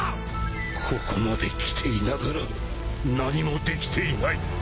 ここまで来ていながら何もできていない